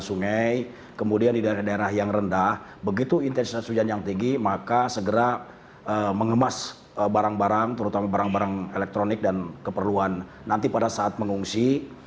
sungai kemudian di daerah daerah yang rendah begitu intensitas hujan yang tinggi maka segera mengemas barang barang terutama barang barang elektronik dan keperluan nanti pada saat mengungsi